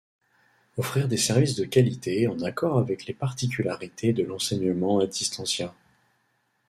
Offrir des services de qualité en accord avec les particularités de l'enseignement a distancia.